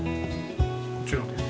こちらです。